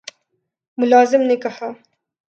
ملازم نے کہا